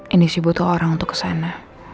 ini sih butuh orang untuk kesana